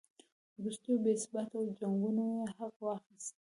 وروستیو بې ثباتیو او جنګونو یې حق واخیست.